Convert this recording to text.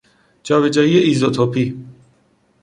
جابجایی ایزوتوپی